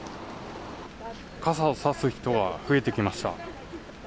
傘を差す人が増えてきました。